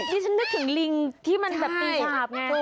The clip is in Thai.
ที่ฉันนึกถึงลิงที่มันแบบตีสาบไง